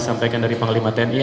sampaikan dari panglima tni